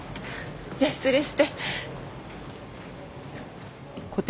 じゃあ失礼して。